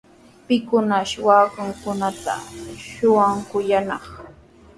¿Pikunashi waakankunata shuwakuyaanaq?